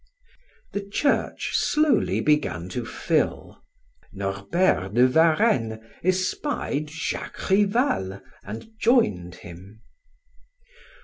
The church slowly began to fill. Norbert de Varenne espied Jacques Rival, and joined him.